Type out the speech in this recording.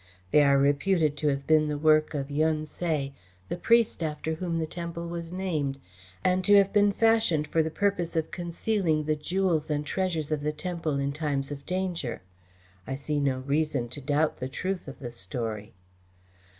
They are reputed to have been the work of Yun Tse, the priest after whom the temple was named, and to have been fashioned for the purpose of concealing the jewels and treasures of the temple in times of danger. I see no reason to doubt the truth of the story."